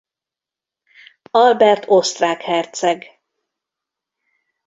Albert osztrák herceg.